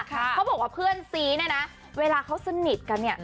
เขาบอกว่าเพื่อนซีเนี่ยนะเวลาเขาสนิทกันเนี่ย